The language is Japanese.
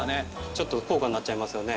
ちょっと高価になっちゃいますよね。